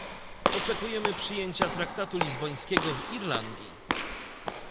Oczekujemy przyjęcia traktatu lizbońskiego w Irlandii